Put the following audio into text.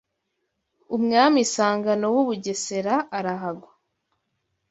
umwami Sangano w’u Bugesera arahagwa